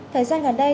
thời gian gần đây